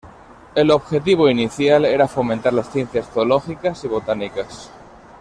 El objetivo inicial era fomentar las ciencias zoológicas y botánicas.